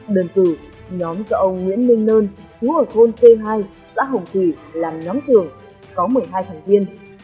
đơn tử nhóm do ông nguyễn minh nơn chú ở khôn t hai xã hồng thủy làm nhóm trường có một mươi hai thành viên